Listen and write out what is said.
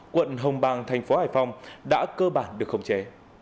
quận hồng bàng thành phố hải phòng đã cơ bản được khống chế